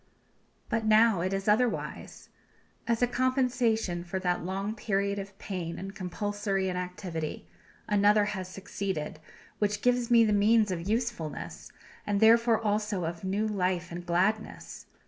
But now it is otherwise. As a compensation for that long period of pain and compulsory inactivity, another has succeeded, which gives me the means of usefulness, and therefore also of new life and gladness.